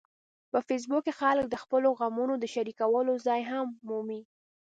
په فېسبوک کې خلک د خپلو غمونو د شریکولو ځای هم مومي